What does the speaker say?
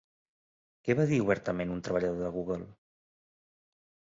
Què va dir obertament un treballador de Google?